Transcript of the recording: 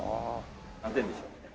何点でしょう？